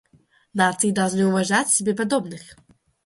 Нации должны уважать себе подобных.